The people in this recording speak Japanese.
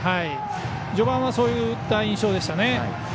序盤はそういった印象でしたね。